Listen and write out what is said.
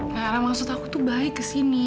karena maksud aku tuh baik kesini